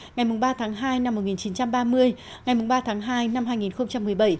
ngày ba tháng hai năm một nghìn chín trăm ba mươi ngày ba tháng hai năm hai nghìn một mươi bảy